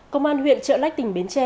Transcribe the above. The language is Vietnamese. công an huyện trợ lách tỉnh bến tre